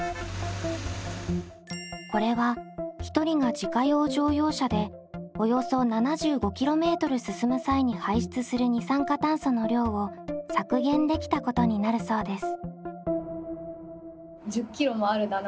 これは１人が自家用乗用車でおよそ７５ｋｍ進む際に排出する二酸化炭素の量を削減できたことになるそうです。